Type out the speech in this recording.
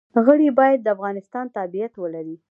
غړي باید د افغانستان تابعیت ولري.